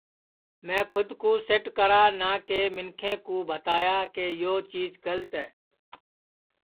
میں کھود کُو سیٹ کرا نہ کہ منکھیں کُو بھتایا کہ یہ چیجا گلت ہے